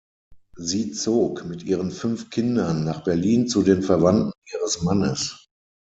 Sie zog mit ihren fünf Kindern nach Berlin zu den Verwandten ihres Mannes.